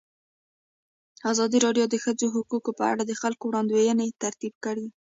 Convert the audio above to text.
ازادي راډیو د د ښځو حقونه په اړه د خلکو وړاندیزونه ترتیب کړي.